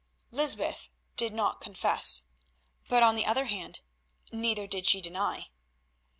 Lysbeth did not confess, but, on the other hand, neither did she deny.